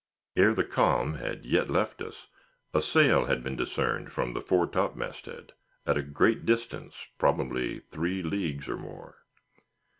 Ere the calm had yet left us, a sail had been discerned from the fore topmasthead, at a great distance, probably three leagues or more.